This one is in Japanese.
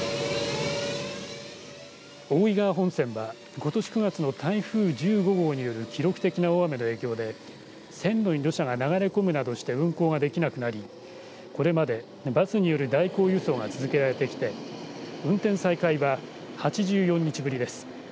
大井川本線は、ことし９月の台風１５号による記録的な大雨の影響で線路に土砂が流れ込むなどして運行ができなくなりこれまでバスによる代行輸送が続けられてきて運転再開は８４日ぶりです。